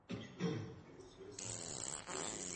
Poté se soustředila na krátké tratě ve všech stylech.